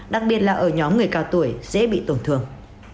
đặc biệt là ở nhóm người cao tuổi dễ bị tổn thương